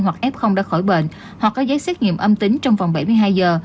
hoặc f đã khỏi bệnh hoặc có giấy xét nghiệm âm tính trong vòng bảy mươi hai giờ